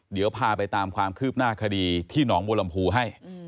เดี๋ยวพาไปตามความคืบหน้าคดีที่หนองบัวลำพูให้